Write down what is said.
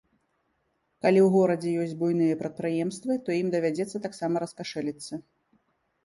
Калі ў горадзе ёсць буйныя прадпрыемствы, то ім давядзецца таксама раскашэліцца.